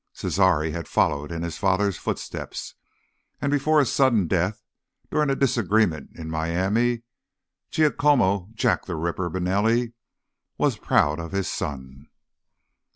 Cesare had followed in his father's footsteps. And, before his sudden death during a disagreement in Miami, Giacomo "Jack the Ripper" Manelli was proud of his son.